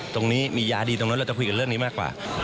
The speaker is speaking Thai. ตรงนี้มียาดีตรงนั้นเราจะคุยกันเรื่องนี้มากกว่า